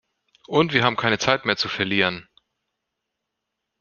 Und wir haben keine Zeit mehr zu verlieren.